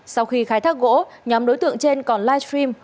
sau khi khai thác gỗ nhóm đối tượng trên còn livestream